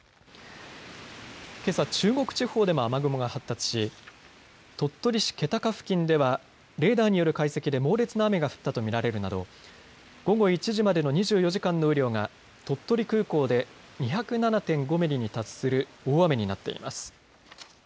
けさ中国地方でも雨雲が発達し鳥取市気高付近ではレーダーによる解析で猛烈な雨が降ったと見られるなど午後１時までの２４時間の雨量が鳥取空港で２０７．５ミリに達する大雨になっています。